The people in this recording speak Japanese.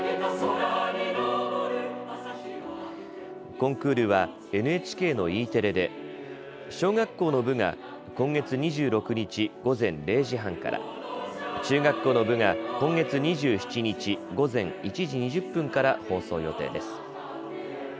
コンクールはＮＨＫのＥテレで小学校の部が今月２６日午前０時半から、中学校の部が今月２７日、午前１時２０分から放送予定です。